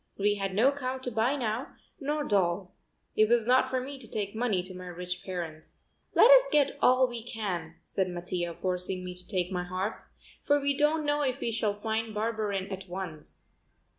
We had no cow to buy now, nor doll. It was not for me to take money to my rich parents. "Let us get all we can," said Mattia, forcing me to take my harp, "for we don't know if we shall find Barberin at once.